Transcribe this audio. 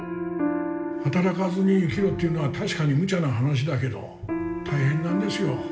働かずに生きろっていうのは確かにむちゃな話だけど大変なんですよ